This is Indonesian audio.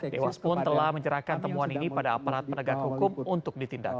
dewas pun telah menyerahkan temuan ini pada aparat penegak hukum untuk ditindak